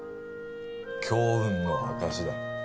強運の証しだ